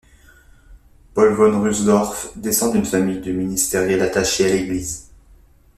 Paul von Rusdorf descend d'une famille de ministériels attachés à l'Église.